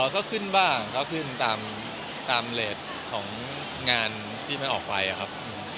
ก็ขึ้นบ้างก็ขึ้นตามเลสของงานที่มันออกไปครับ